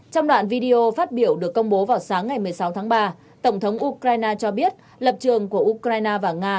trong đoạn video phát biểu được công bố vào sáng ngày một mươi sáu tháng ba tổng thống ukraine cho biết lập trường của ukraine và nga